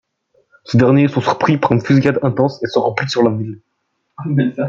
Ces derniers sont surpris par une fusillade intense et se replient sur la ville.